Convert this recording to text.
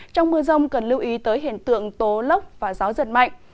trong mưa rông cần lưu ý tới hiện tượng tố lốc và gió giật mạnh